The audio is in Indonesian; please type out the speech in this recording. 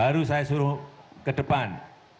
baru saya suruh ke depan